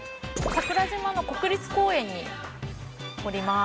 桜島の国立公園におります。